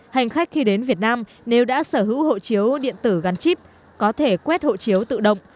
hành khách khi đến việt nam nếu đã sở hữu hộ chiếu điện tử gắn chip có thể quét hộ chiếu tự động